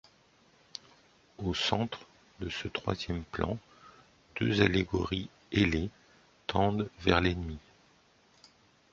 Au centre de ce troisième plan deux allégories ailées tendent vers l’ennemi.